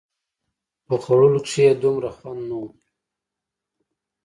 په خوړلو کښې يې دومره خوند نه و.